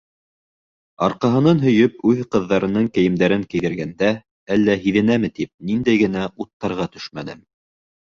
Арҡаһынан һөйөп, үҙ ҡыҙҙарының кейемдәрен кейҙергәндә, әллә һиҙенәме, тип ниндәй генә уттарға төшмәнем.